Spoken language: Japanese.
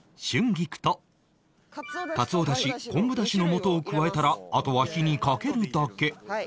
春菊とかつおだし昆布だしの素を加えたらあとは火にかけるだけ